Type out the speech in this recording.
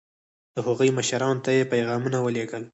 د هغوی مشرانو ته یې پیغامونه ولېږل.